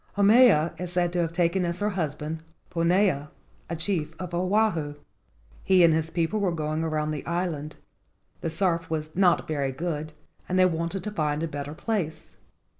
Haumea is said to have taken as her husband, Puna, a chief of Oahu. He and his people were going around the island. The surf was not very good, and they wanted to find a better place.